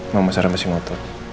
mama sarah masih ngotot